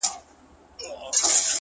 نن مي بيا پنـځه چيلمه ووهـل،